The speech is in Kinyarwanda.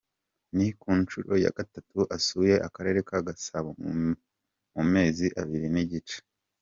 Ni ku nshuro ya gatatu asuye Akarere ka Gasabo mu mezi abiri n’igice.